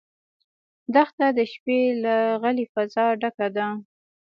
دښته د شپې له غلې فضا ډکه ده.